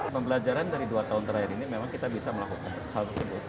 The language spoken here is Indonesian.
pembelajaran dari dua tahun terakhir ini memang kita bisa melakukan hal tersebut